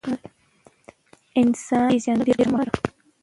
انسان پیژندنه ډیره مهمه ده